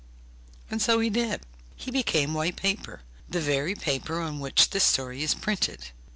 And so he did! he became white paper, the very paper on which this story is printed.